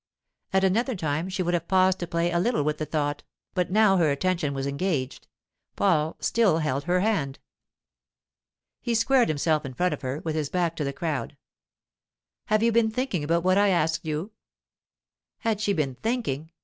At another time she would have paused to play a little with the thought, but now her attention was engaged. Paul still held her hand. He squared himself in front of her, with his back to the crowd. 'Have you been thinking about what I asked you?' Had she been thinking!